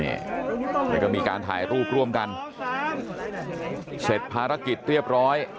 แล้วก็มีการถ่ายรูปร่วมกันเสร็จภารกิจเรียบร้อย